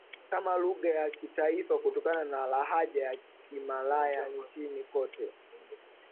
kama lugha ya taifa kutokana na lahaja ya Kimalay Nchini kote